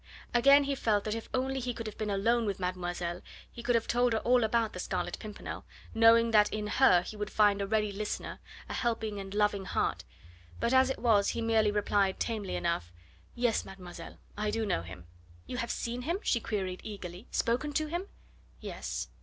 Again he felt that if only he could have been alone with mademoiselle he could have told her all about the Scarlet Pimpernel, knowing that in her he would find a ready listener, a helping and a loving heart; but as it was he merely replied tamely enough: "Yes, mademoiselle, I do know him." "You have seen him?" she queried eagerly; "spoken to him?" "Yes."